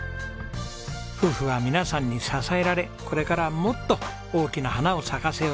夫婦は皆さんに支えられこれからもっと大きな花を咲かせようとしています。